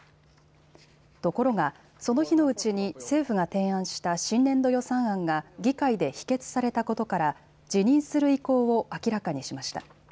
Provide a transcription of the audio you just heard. ところが、その日のうちに政府が提案した新年度予算案が議会で否決されたことから辞任する意向を明らかにしました。